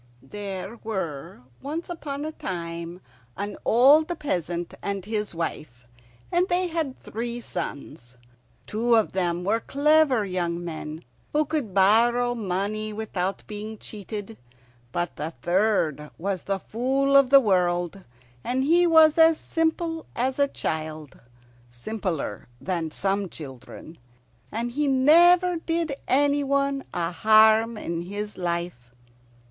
There were once upon a time an old peasant and his wife, and they had three sons. Two of them were clever young men who could borrow money without being cheated, but the third was the Fool of the World. He was as simple as a child, simpler than some children, and he never did any one a harm in his life.